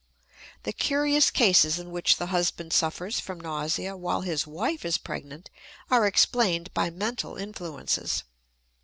The curious cases in which the husband suffers from nausea while his wife is pregnant are explained by mental influences.